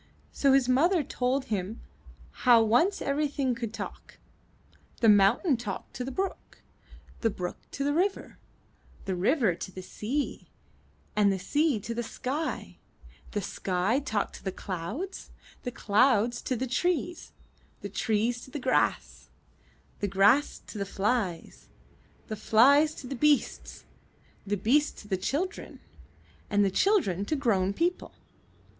So his mother told him how once everything could talk; the mountain talked to the brook, the brook to the river, the river to the sea, and the sea to the sky; the sky talked to the clouds, the clouds to the trees, the trees to the grass, the grass to the flies, the flies to the beasts, the beasts to the chil dren, and the children to grown people.